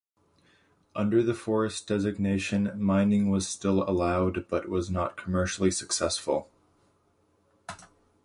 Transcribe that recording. Under the forest designation, mining was still allowed but was not commercially successful.